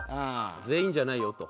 全員じゃないよと。